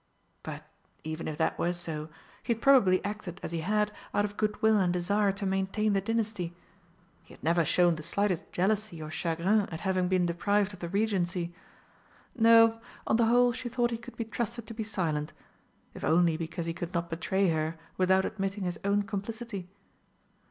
But, even if that were so, he had probably acted as he had out of goodwill and desire to maintain the dynasty. He had never shown the slightest jealousy or chagrin at having been deprived of the Regency. No, on the whole, she thought he could be trusted to be silent if only because he could not betray her without admitting his own complicity.